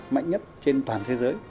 mạnh nhất trên toàn thế giới